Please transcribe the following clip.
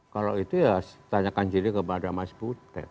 kalau itu ya tanyakan jadi kepada mas butet